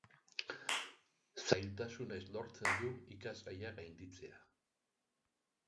Zailtasunez lortzen du ikasgaia gainditzea.